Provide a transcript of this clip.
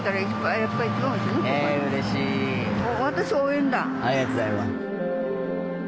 ありがとうございます。